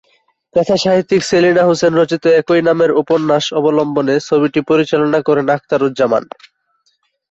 কথাসাহিত্যিক সেলিনা হোসেন রচিত "একই নামের" উপন্যাস অবলম্বনে ছবিটি পরিচালনা করেন আখতারুজ্জামান।